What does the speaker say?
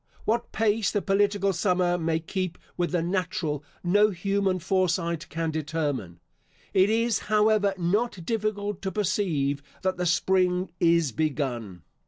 What pace the political summer may keep with the natural, no human foresight can determine. It is, however, not difficult to perceive that the spring is begun.